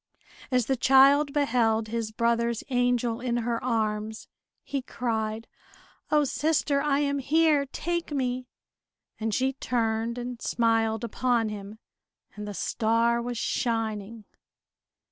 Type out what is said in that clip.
As the child beheld his brother's angel in her arms, he cried, "O, sister, I am here! Take me!" And she turned and smiled upon him, and the star was shining.